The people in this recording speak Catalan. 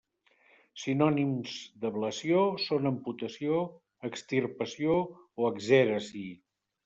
Sinònims d'ablació són amputació, extirpació o exèresi.